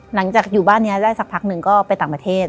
หลังจากอยู่บ้านนี้ได้สักพักหนึ่งก็ไปต่างประเทศ